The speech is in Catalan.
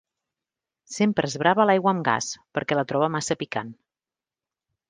Sempre esbrava l'aigua amb gas perquè la troba massa picant.